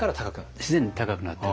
自然に高くなってる。